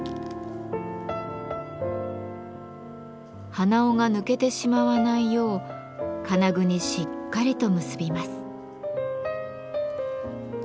鼻緒が抜けてしまわないよう金具にしっかりと結びます。